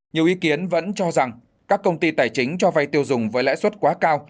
nhiều ý kiến vẫn cho rằng các công ty tài chính cho vay tiêu dùng với lãi suất quá cao